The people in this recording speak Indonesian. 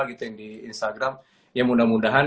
gitu yang di instagram ya mudah mudahan